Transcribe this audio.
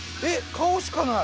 顔しかない。